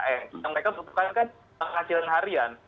mereka bukan kan penghasilan harian